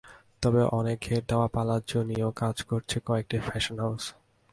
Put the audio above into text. তবে অনেক ঘের দেওয়া পালাজ্জো নিয়েও কাজ করছে কয়েকটি ফ্যাশন হাউস।